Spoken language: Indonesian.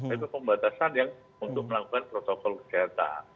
tapi pembatasan yang untuk melakukan protokol kesehatan